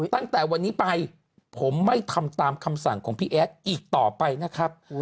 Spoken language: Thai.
ตั้งแต่วันนี้ไปผมไม่ทำตามคำสั่งของพี่แอดอีกต่อไปนะครับ